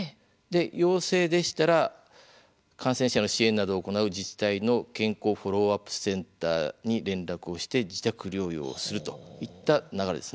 陽性でしたら感染者の支援などを行う自治体の健康フォローアップセンターに連絡をして自宅療養するといった流れですね。